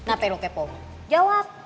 kenapa lu kepo jawab